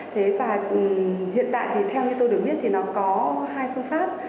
thế và hiện tại thì theo như tôi được biết thì nó có hai phương pháp